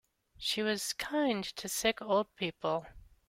She was kind to sick old people.